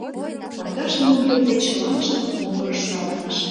Аркаш, нимом йодде, чылаштын могырыш савырныш.